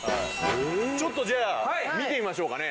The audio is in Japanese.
ちょっとじゃあ見てみましょうかね。